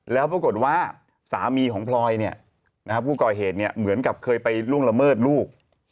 แล้วปรากฏว่าสามีของพลอยผู้ก่อเหตุเหมือนกับเคยไปล่วงละเมิดลูก